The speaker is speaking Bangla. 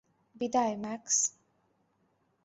বিদায়, ম্যাক্স।